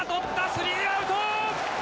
スリーアウト！